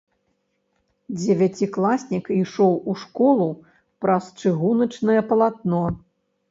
Дзевяцікласнік ішоў у школу праз чыгуначнае палатно.